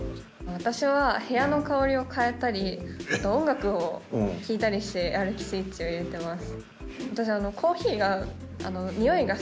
私は部屋の香りを変えたり音楽を聴いたりしてやる気スイッチを入れてます。